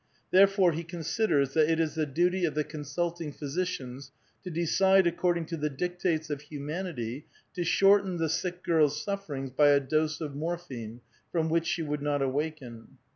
Therefore he considers that it is the duty of the consulting physicians to decide according to the dictates of humanity to shorten the sick girl's sufferings by a dose of mori)hine, from which she would not awaken.